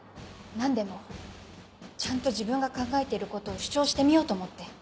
何でもちゃんと自分が考えていることを主張してみようと思って。